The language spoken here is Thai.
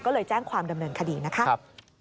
ก็เลยแจ้งความดำเนินคดีนะคะ